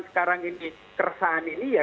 sekarang ini keresahan ini ya